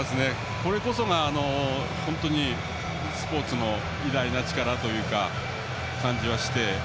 これこそが本当にスポーツの偉大な力という感じがして。